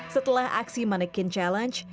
setelah aksi mannequin challenge